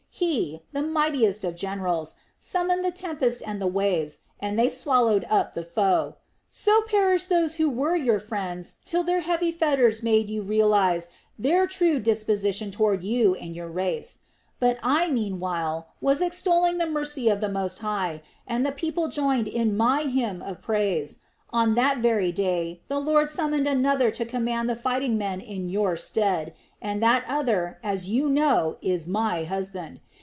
He, the mightiest of generals, summoned the tempest and the waves, and they swallowed up the foe. So perished those who were your friends till their heavy fetters made you realize their true disposition toward you and your race. But I, meanwhile, was extolling the mercy of the Most High, and the people joined in my hymn of praise. On that very day the Lord summoned another to command the fighting men in your stead, and that other, as you know, is my husband.